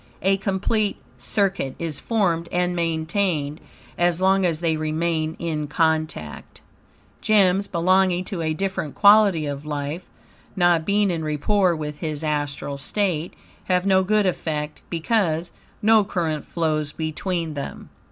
A complete circuit is formed and maintained, as long as they remain in contact. Gems belonging to a different quality of life, not being en rapport with his astral state, have no good effect, because, no current flows between them.